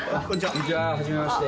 こんにちははじめまして。